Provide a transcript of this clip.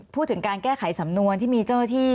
พูดถึงการแก้ไขสำนวนที่มีเจ้าหน้าที่